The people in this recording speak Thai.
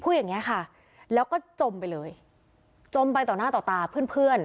อย่างเงี้ยค่ะแล้วก็จมไปเลยจมไปต่อหน้าต่อตาเพื่อนเพื่อน